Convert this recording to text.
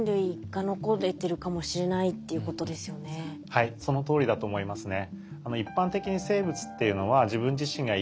はいそのとおりだと思いますね。